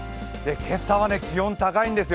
今朝は気温、高いんですよ。